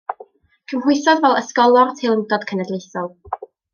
Cymhwysodd fel Ysgolor Teilyngdod Cenedlaethol.